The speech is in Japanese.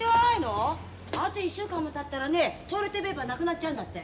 あと１週間もたったらねトイレットペーパーなくなっちゃうんだって。